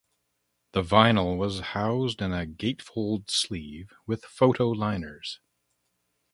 The vinyl was housed in a gatefold-sleeve with photo-liners.